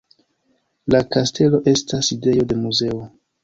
La kastelo estas sidejo de muzeo.